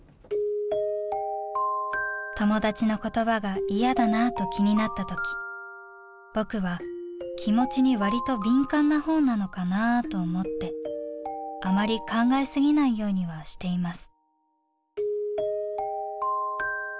「友達の言葉が嫌だなと気になった時僕は気持ちに割と敏感な方なのかなーと思ってあまり考えすぎないようにはしています」。